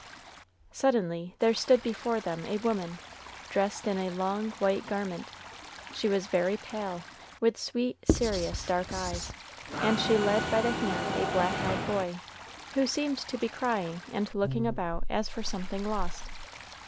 Suddenly, there stood before them a woman, dressed in a long white garment. She was very pale, with sweet, serious dark eyes, and she led by the hand a black eyed boy, who seemed to be crying and looking about as for something lost.